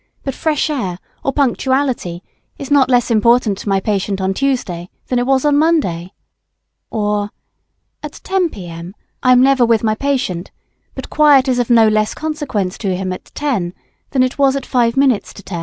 But fresh air, or punctuality is not less important to my patient on Tuesday than it was on Monday. Or: At 10 P.M. I am never with my patient; but quiet is of no less consequence to him at 10 than it was at 5 minutes to 10.